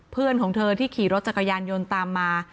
เพื่อนของเธอที่ขี่รถจักรยานยนต์ตามมา